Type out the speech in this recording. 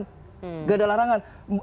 tidak ada larangan